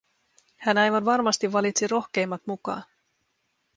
Hän aivan varmasti valitsi rohkeimmat mukaan.